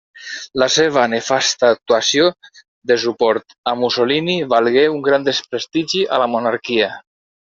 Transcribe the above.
La seva nefasta actuació de suport a Mussolini valgué un gran desprestigi a la monarquia.